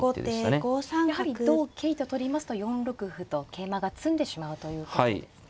やはり同桂と取りますと４六歩と桂馬が詰んでしまうということですね。